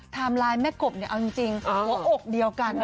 ทามไลน์แม่กบเนี่ยเอาจริงเหลืออกเดียวกัน